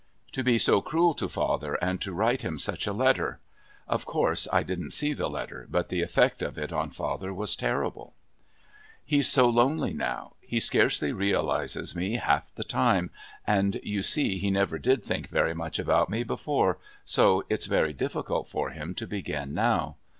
To be so cruel to father and to write him such a letter! (Of course I didn't see the letter, but the effect of it on father was terrible.) He's so lonely now. He scarcely realises me half the time, and you see he never did think very much about me before, so it's very difficult for him to begin now.